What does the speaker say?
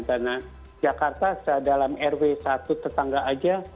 karena jakarta dalam rw satu tetangga aja